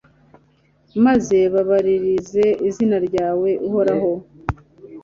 maze babaririze izina ryawe, uhoraho